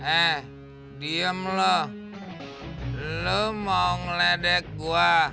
eh diam lo lo mau ngeledek gua